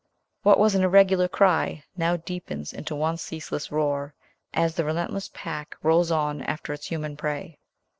What was an irregular cry, now deepens into one ceaseless roar, as the relentless pack rolls on after its human prey.